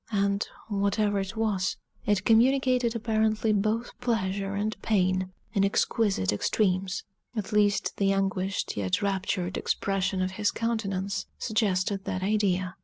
And, whatever it was, it communicated apparently both pleasure and pain in exquisite extremes; at least the anguished yet raptured expression of his countenance suggested that idea.